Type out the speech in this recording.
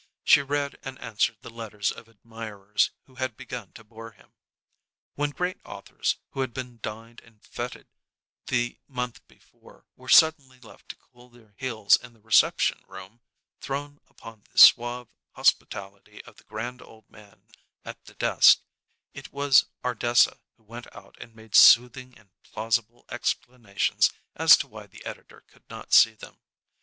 She read and answered the letters of admirers who had begun to bore him. When great authors, who had been dined and fêted the month before, were suddenly left to cool their heels in the reception room, thrown upon the suave hospitality of the grand old man at the desk, it was Ardessa who went out and made soothing and plausible explanations as to why the editor could not see them.